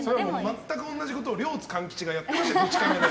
全く同じことを両津勘吉がやってましたよ。